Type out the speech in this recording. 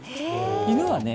犬はね